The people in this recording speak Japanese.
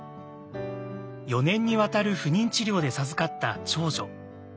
４年にわたる不妊治療で授かった長女。